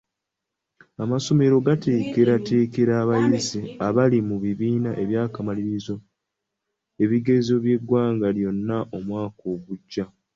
Amasomero gateekerateekera abayizi abali mu bibiina eby'akamalirizo ebigezo by'eggwanga lyonna omwaka ogujja.